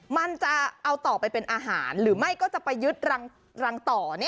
มันจะเอาต่อไปเป็นอาหารหรือไม่ก็จะไปยึดรังต่อ